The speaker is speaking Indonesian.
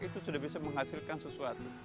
itu sudah bisa menghasilkan sesuatu